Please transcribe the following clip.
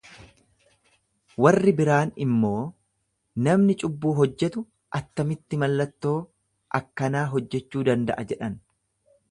Warri biraa immoo, Namni cubbuu hojjetu attamitti mallattoo akkanaa hojjachuu danda'a? jedhan.